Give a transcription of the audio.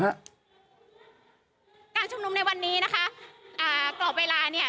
การชุมนุมในวันนี้นะคะอ่ากรอบเวลาเนี่ย